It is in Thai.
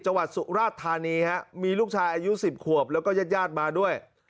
สุราชธานีฮะมีลูกชายอายุ๑๐ขวบแล้วก็ญาติญาติมาด้วย